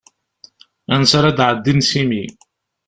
Ansi ara d-ɛeddin s imi.